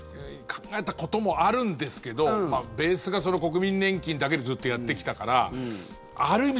考えたこともあるんですけどベースが国民年金だけでずっとやってきたからある意味